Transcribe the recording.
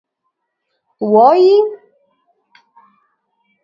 وایي.